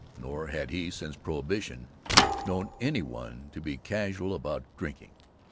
Nor had he, since prohibition, known any one to be casual about drinking.